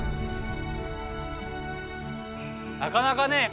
なかなかね